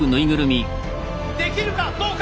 できるかどうか！